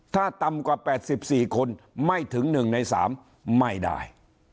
ถ้าต่ำกว่า๘๔คนไม่ถึง๑ใน๓ไม่ได้